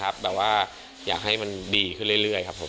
แบบว่าอยากให้มันดีขึ้นเรื่อยครับผม